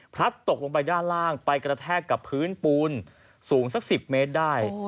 พลัดตกลงไปย่างล่างไปกระแทกกับพื้นปูนสูงสักสิบเมตรได้โอ้โห